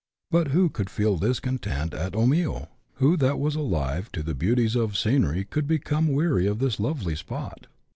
But who could feel discontent at Omio ? who that was dlive to the beauties of scenery could become weary of this lovely spot?